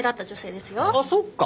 あっそっか。